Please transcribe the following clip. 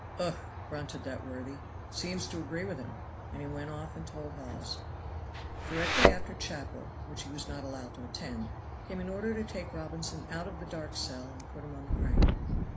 "Ugh!" grunted that worthy, "seems to agree with him." And he went off and told Hawes. Directly after chapel, which he was not allowed to attend, came an order to take Robinson out of the dark cell and put him on the crank.